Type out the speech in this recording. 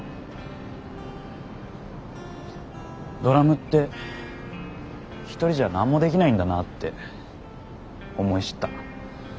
ドラムって一人じゃ何もできないんだなって思い知った。